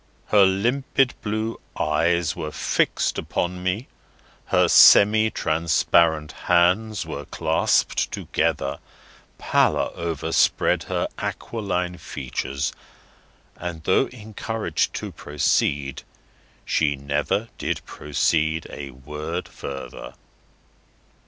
Her limpid blue eyes were fixed upon me, her semi transparent hands were clasped together, pallor overspread her aquiline features, and, though encouraged to proceed, she never did proceed a word further.